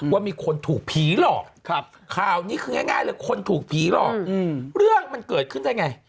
ว่ามีคนถูกผีหลอกข่าวนี้คือง่ายเลยคนถูกผีหลอกเรื่องมันเกิดขึ้นได้ไง